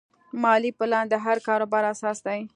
مالي پلان د هر کاروبار اساس دی.